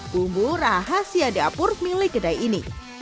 bumbu rahasia dapur milik kedai ini